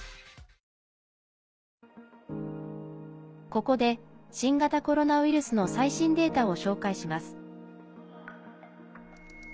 ここで、新型コロナウイルスの最新データを紹介します。